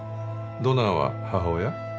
ドナーは母親？